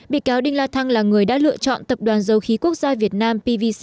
bị cáo đinh la thăng là người đã lựa chọn tập đoàn dầu khí quốc gia việt nam